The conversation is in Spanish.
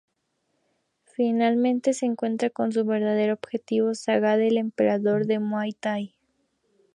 Finalmente se encuentra con su verdadero objetivo: Sagat, el "emperador" de Muay Thai.